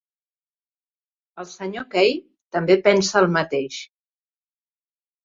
El Sr. Kay també pensa el mateix.